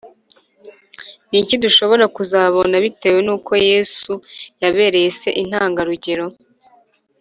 Ni iki dushobora kuzabona bitewe n uko yesu yabereye se intangarugero